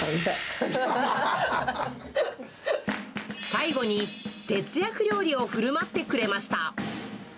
最後に節約料理をふるまってくれました。